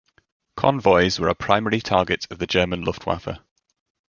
Convoys were a primary target of the German Luftwaffe.